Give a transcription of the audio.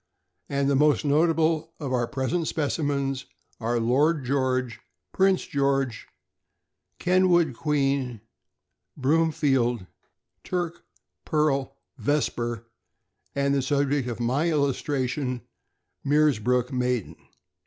and the most noticeable of our present specimens are Lord George, Prince George, Kenwood Queen, Broomfield Turk, Pearl, Vesper, and the subject of my illustration, Meersbrook Maiden.